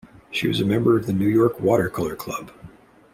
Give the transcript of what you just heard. She was a member of the New York Watercolor Club.